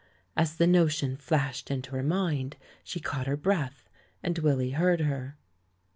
As the notion flashed into her mind she caught her breath ; and Willy heard her.